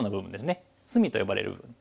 「隅」と呼ばれる部分。